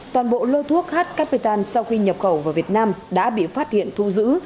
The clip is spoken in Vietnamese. toàn bộ lô thuốc h capetan sau khi nhập khẩu vào việt nam đã bị phát hiện thu giữ